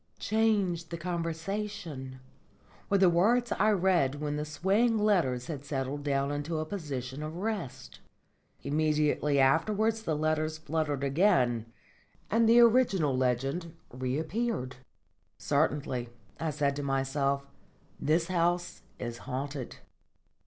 "Change the conversation," were the words I read when the swaying letters had settled down into a position of rest. Immediately afterwards the letters fluttered again and the original legend reappeared. "Certainly," I said to myself, "this house is haunted."